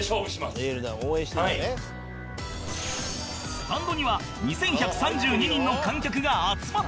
スタンドには２１３２人の観客が集まった